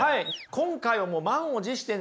今回はもう満を持してね